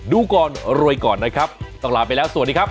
ดูก่อนรวยก่อนนะครับต้องลาไปแล้วสวัสดีครับ